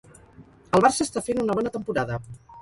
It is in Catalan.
El Barça està fent una bona temporada.